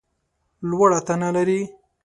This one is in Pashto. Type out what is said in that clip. لوړه تنه لرې !